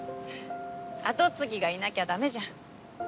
跡継ぎがいなきゃだめじゃん。